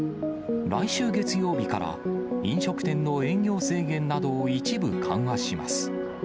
来週月曜日から飲食店の営業制限などを一部緩和します。